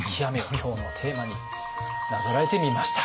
今日のテーマになぞらえてみました。